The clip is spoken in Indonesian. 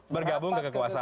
bergabung ke kekuasaan